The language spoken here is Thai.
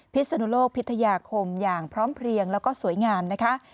ศนุโลกพิทยาคมอย่างพร้อมเพลียงแล้วก็สวยงามนะคะ